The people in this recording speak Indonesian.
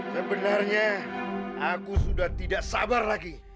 sebenarnya aku sudah tidak sabar lagi